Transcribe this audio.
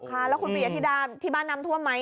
ค่ะแล้วคุณปีอธิดาที่บ้านน้ำท่วมไหม